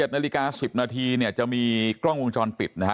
๑นาฬิกา๑๐นาทีเนี่ยจะมีกล้องวงจรปิดนะฮะ